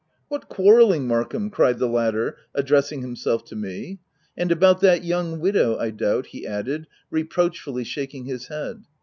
"What, quarrelling Markham?" cried the latter, addressing himself to me, — u and about that young widow I doubt," he added, re proachfully shaking his head.